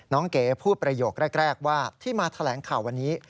เก๋พูดประโยคแรกว่าที่มาแถลงข่าววันนี้